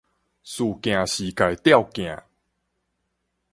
事件視界召鏡